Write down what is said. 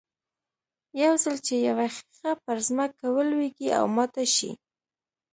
يو ځل چې يوه ښيښه پر ځمکه ولوېږي او ماته شي.